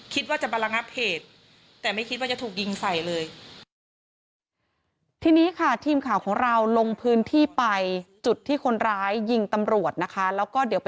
คิดว่าจะมาระงับเหตุแต่ไม่คิดว่าจะถูกยิงใส่เลย